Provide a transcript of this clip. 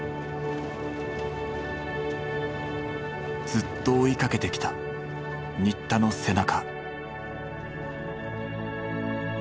ずっと追いかけてきた新田の背中。